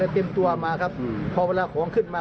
เต็มตัวมาครับพอเวลาของขึ้นมา